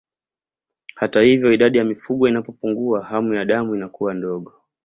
Hata hivyo idadi ya mifugo inapopungua hamu ya damu inakuwa ndogo